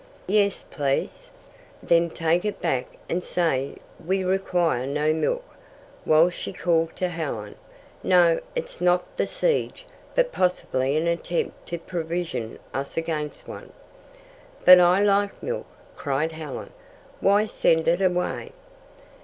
"Yes, please." "Then take it back and say we require no milk." While she called to Helen, "No, it's not the siege, but possibly an attempt to provision us against one." "But I like milk," cried Helen. "Why send it away?"